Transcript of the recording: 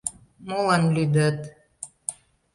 — Молан лӱдат?